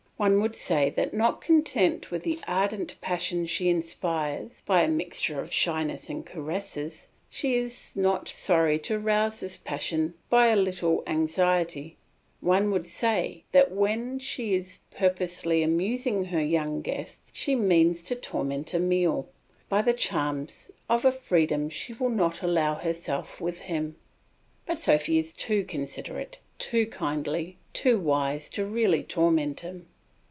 One would say that not content with the ardent passion she inspires by a mixture of shyness and caresses, she is not sorry to rouse this passion by a little anxiety; one would say that when she is purposely amusing her young guests she means to torment Emile by the charms of a freedom she will not allow herself with him; but Sophy is too considerate, too kindly, too wise to really torment him.